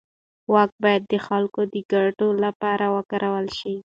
واک باید د خلکو د ګټو لپاره وکارول شي.